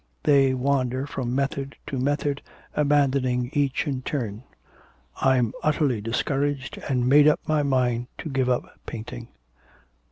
They wander from method to method, abandoning each in turn. I am utterly discouraged, and made up my mind to give up painting.'